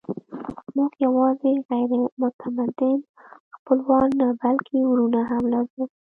موږ یواځې غیر متمدن خپلوان نه، بلکې وروڼه هم لرل.